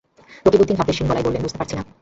রকিবউদ্দিন ভাবলেশহীন গলায় বললেন, বুঝতে পারছি না।